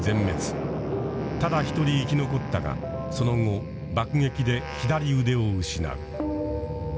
ただ一人生き残ったがその後爆撃で左腕を失う。